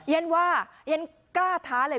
อิเย่นว่าอิเย่นกล้าท้าเลย